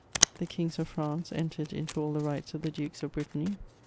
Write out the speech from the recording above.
The Kings of France entered into all the rights of the Dukes of Brit tany.